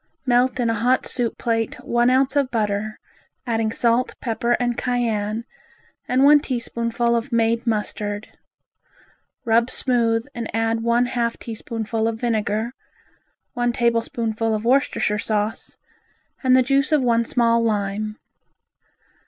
Melt in a hot soup plate one ounce of butter, adding salt, pepper and cayenne, and one teaspoonful of made mustard, rub smooth and add one half teaspoonful of vinegar, one tablespoonful of Worcestershire sauce and the juice of one small lime.